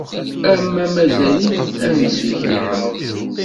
Ama mazal-it am zik yeḥḍem.